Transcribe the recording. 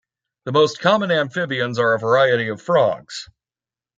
The most common amphibians are a variety of frogs.